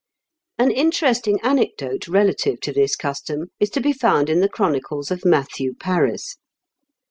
] An interesting anecdote relative to this custom is to be found in the chronicles of Matthew Paris.